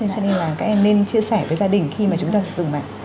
cho nên là các em nên chia sẻ với gia đình khi mà chúng ta sử dụng mạng